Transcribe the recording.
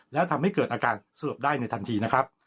แล้วทำให้เกิดอาการสลบได้ในทันทีนะครับ